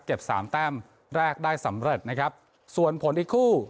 สามแต้มแรกได้สำเร็จนะครับส่วนผลอีกคู่